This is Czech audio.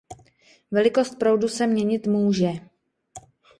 Velikost proudu se měnit může.